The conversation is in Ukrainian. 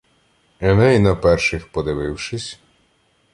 Еней, на перших подивившись